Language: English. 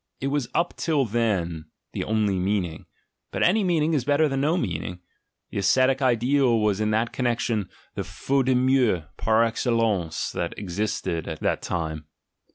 It was up till then the only meaning; but any meaning is better than no meaning; the ascetic ideal was in that connection the "jaute de mieux" par excellence that existed at that time.